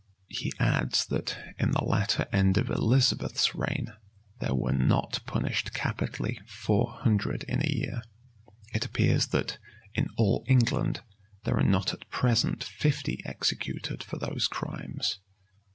He adds, that, in the latter end of Elizabeth's reign, there were not punished capitally four hundred in a year; it appears that, in all England, there are not at present fifty executed for those crimes.